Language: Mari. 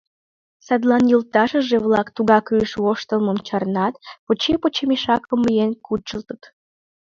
Садлан йолташыже-влак тугак рӱж воштылмым чарнат, поче-поче мешакым миен кучылтыт.